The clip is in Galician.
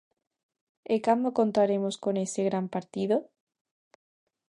E cando contaremos con ese gran partido?